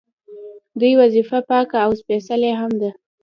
دوی وظیفه پاکه او سپیڅلې هم ده.